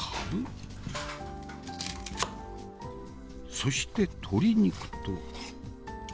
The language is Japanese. そして鶏肉と。